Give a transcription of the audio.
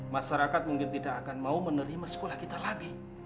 masyarakat mungkin tidak akan mau menerima sekolah kita lagi